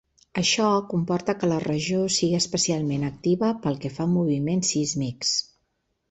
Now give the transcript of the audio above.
Això comporta que la regió sigui especialment activa pel que fa a moviments sísmics.